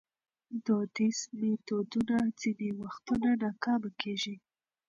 دودیز میتودونه ځینې وختونه ناکامه کېږي.